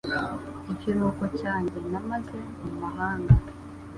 Ikiruhuko cyanjye namaze mu mahanga.